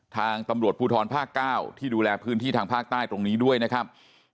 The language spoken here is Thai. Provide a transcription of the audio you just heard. ทางตำรวจภูทรภาค๙ที่ดูแลพื้นที่ทางภาคใต้ตรงนี้ด้วยนะครับ